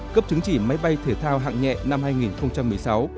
cấp chứng chỉ máy bay thể thao hạng nhẹ năm hai nghìn một mươi sáu